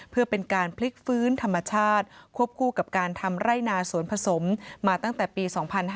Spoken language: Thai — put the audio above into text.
เพื่อเป็นการพลิกฟื้นธรรมชาติควบคู่กับการทำไร่นาสวนผสมมาตั้งแต่ปี๒๕๕๙